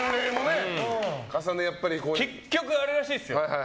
結局あれらしいですよ。